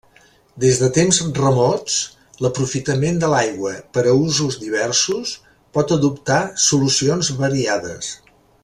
Des de temps remots, l’aprofitament de l’aigua per a usos diversos pot adoptar solucions variades.